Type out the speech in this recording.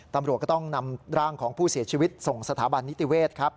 ตำรวจก็ต้องนำร่างของผู้เสียชีวิตส่งสถาบันนิติเวศครับ